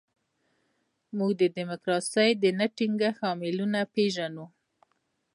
موږ د ډیموکراسۍ د نه ټینګښت لاملونه پېژنو.